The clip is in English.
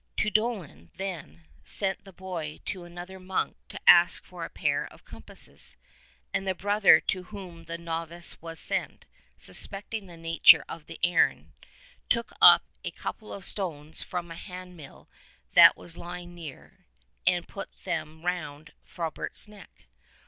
Tuedolin, then, sent the boy to another monk to ask for a pair of compasses, and the brother to whom the novice was sent, suspecting the nature of the errand, took up a couple of stones from a hand mill that was lying near, and put them round Frobert's neck.